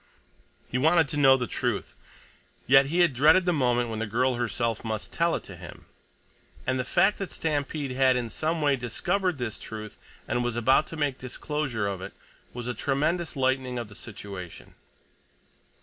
He wanted to know the truth, yet he had dreaded the moment when the girl herself must tell it to him, and the fact that Stampede had in some way discovered this truth, and was about to make disclosure of it, was a tremendous lightening of the situation.